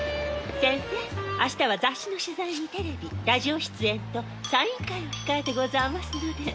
センセ明日は雑誌の取材にテレビラジオ出演とサイン会を控えてござあますので。